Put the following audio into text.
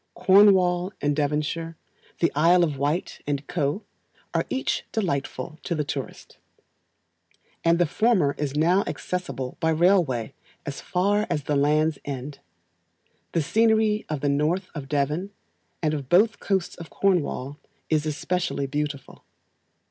Cornwall and Devonshire, the Isle of Wight, &c., are each delightful to the tourist; and the former is now accessible by railway as far as the Land's End. The scenery of the North of Devon, and of both coasts of Cornwall, is especially beautiful.